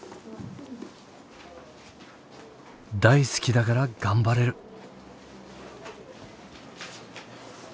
大好きだから頑張れる。